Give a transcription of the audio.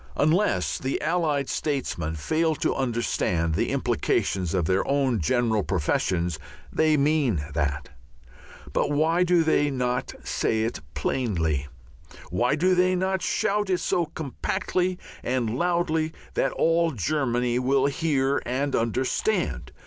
Unless the Allied statesmen fail to understand the implications of their own general professions they mean that. But why do they not say it plainly? Why do they not shout it so compactly and loudly that all Germany will hear and understand?